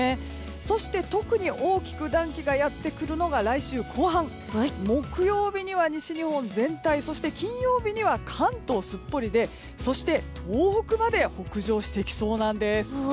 そして、特に大きく暖気がやってくるのが来週後半、木曜日には西日本は全体そして金曜日には関東、すっぽりでそして東北まで北上してきそうなんです。